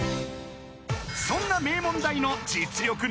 ［そんな名門大の実力